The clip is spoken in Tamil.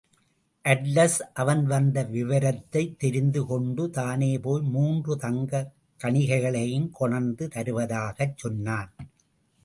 அட்லஸ், அவன் வந்த விவரத்தைத் தெரிந்து கொண்டு, தானே போய் மூன்று தங்கக் கனிகளையும் கொணர்ந்து தருவதாகச் சொன்னான்.